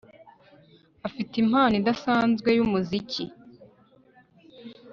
Afite impano idasanzwe yumuziki